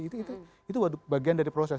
itu itu itu bagian dari proses